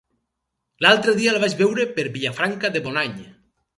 L'altre dia el vaig veure per Vilafranca de Bonany.